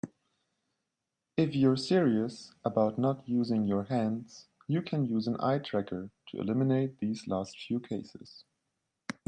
If you're serious about not using your hands, you can use an eye tracker to eliminate these last few cases.